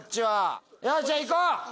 じゃあ行こう！